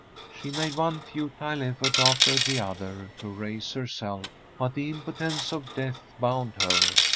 She made one futile effort after the other to raise herself, but the impotence of death bound her.